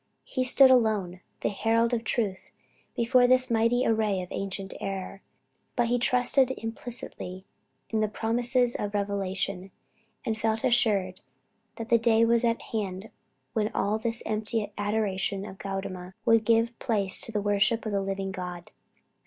He stood alone, the herald of truth, before this mighty array of ancient error; but he trusted implicitly in the promises of revelation, and felt assured that the day was at hand when all this empty adoration of Gaudama would give place to the worship of the living God!"